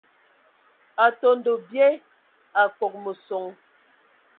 Atondo bye Akogo meson.